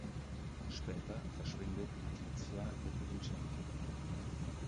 Später verschwindet Laetitia mit Vicente.